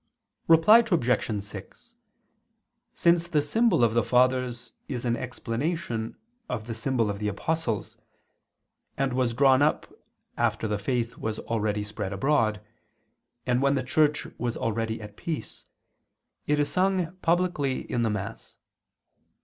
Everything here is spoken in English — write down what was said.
Reply Obj. 6: Since the symbol of the Fathers is an explanation of the symbol of the Apostles, and was drawn up after the faith was already spread abroad, and when the Church was already at peace, it is sung publicly in the Mass.